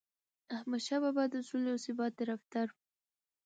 احمدشاه بابا د سولې او ثبات طرفدار و.